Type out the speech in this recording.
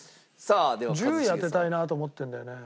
１０位当てたいなと思ってるんだよね。